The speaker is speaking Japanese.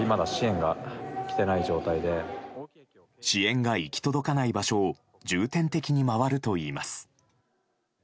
支援が行き届かない場所を重点的に回るといいます。